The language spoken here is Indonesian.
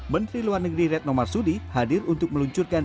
menteri luar negeri retno marsudi hadir untuk meluncurkan